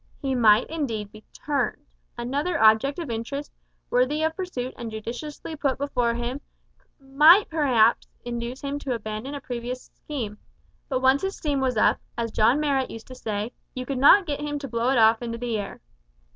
He might indeed be turned. Another object of interest, worthy of pursuit and judiciously put before him, might perhaps induce him to abandon a previous scheme; but once his steam was up, as John Marrot used to say, you could not get him to blow it off into the air.